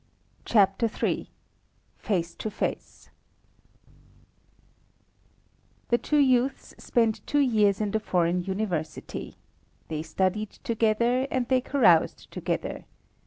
CHAPTER III FACE TO FACE The two youths spent two years in the foreign University. They studied together and they caroused together.